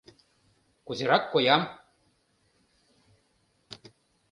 — Кузерак коям?